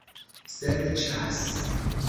serĉas